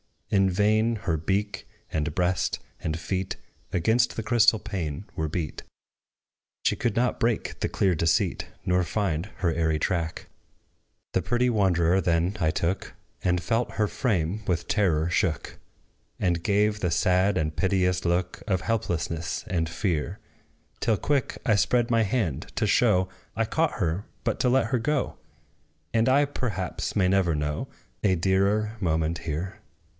In vain her beak, and breast, and feet Against the crystal pane were beat: She could not break the clear deceit, Nor find her airy track. The pretty wanderer then I took; And felt her frame with terror shook: She gave the sad and piteous look Of helplessness and fear; Till quick I spread my hand, to show, I caught her but to let her go; And I, perhaps, may never know A dearer moment here.